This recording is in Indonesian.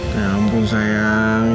ya ampun sayang